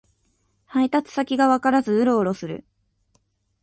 配達先がわからずウロウロする